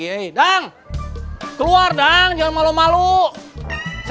eta pas pamdutnya udah kembali ke rumahnya